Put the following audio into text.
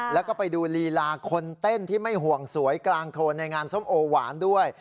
แล้วก็ไปดูลีลาคนเต้นที่ไม่ห่วงสวยกลางโครนในงานส้มโอหวานด้วย